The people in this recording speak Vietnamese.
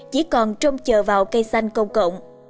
chỉ còn trông chờ vào cây xanh công cộng